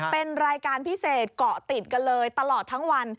เป็นรายการพิเศษเกาะติดกันเลยตลอดทั้งวัน